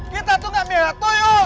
kita tuh gak miara tuyul